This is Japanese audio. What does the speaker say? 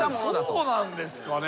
そうなんですかね。